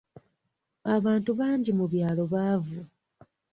Abantu bangi mu byalo baavu.